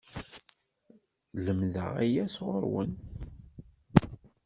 Lemdeɣ aya sɣur-wen!